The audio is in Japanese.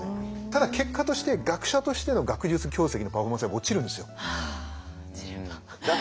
ただ結果として学者としての学術業績のパフォーマンスは落ちるんですよ。はあ落ちるんだ。